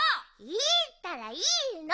いいったらいいの！